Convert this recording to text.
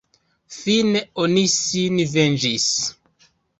Fine, oni sin venĝis.